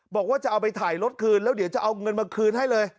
บอกว่าจะเอาไปถ่ายรถคืนแล้วเดี๋ยวจะเอาเงินมาคืนให้เลย